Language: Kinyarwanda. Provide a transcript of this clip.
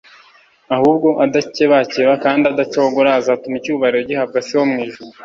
ahubwo adakebakeba kandi adacogora azatuma icyubahiro gihabwa se wo mu ijuru